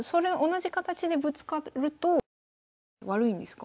同じ形でぶつかると後手悪いんですか？